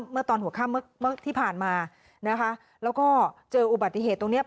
เมื่อตอนหัวข้ามเมื่อที่ผ่านมานะคะแล้วก็เจออุบัติเหตุตรงเนี้ย